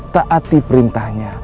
tak hati prima